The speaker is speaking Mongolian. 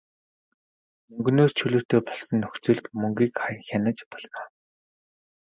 Мөнгөнөөс чөлөөтэй болсон нөхцөлд мөнгийг хянаж болно.